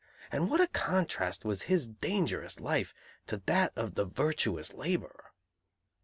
And what a contrast was his dangerous life to that of the virtuous laborer!